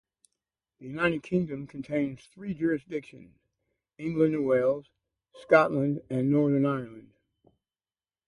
The United Kingdom contains three jurisdictions: England and Wales; Scotland; and Northern Ireland.